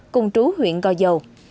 cùng trú huyện go dầu